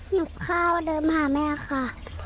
หุบข้าวเดินมาหาแม่ค่ะ